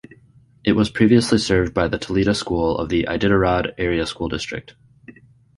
It was previously served by the Telida School of the Iditarod Area School District.